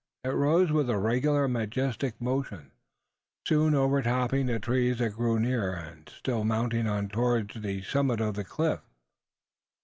It rose with a regular majestic motion, soon overtopping the trees that grew near, and still mounting on towards the summit of the cliff.